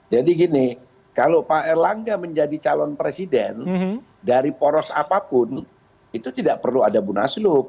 jadi gini kalau pak erlangga menjadi calon presiden dari poros apapun itu tidak perlu ada munaslup